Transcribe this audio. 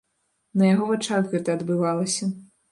На яго вачах гэта адбывалася.